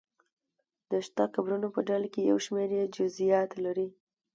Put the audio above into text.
د شته قبرونو په ډله کې یو شمېر یې جزییات لري.